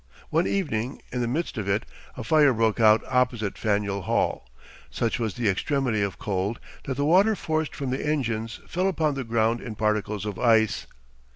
One evening, in the midst of it, a fire broke out opposite Faneuil Hall. Such was the extremity of cold that the water forced from the engines fell upon the ground in particles of ice.